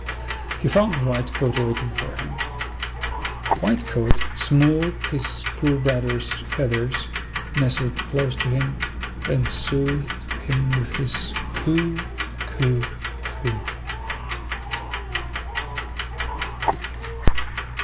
He found White coat waiting for him. White coat smoothed his poor brother's feathers, nestled close to him, and soothed him with his coo! coo! coo!